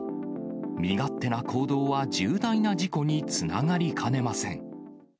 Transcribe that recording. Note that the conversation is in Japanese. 身勝手な行動は重大な事故につながりかねません。